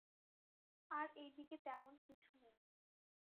আর এই দিকে তেমন কিছু নেই।